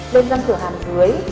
lên răng cửa hàm dưới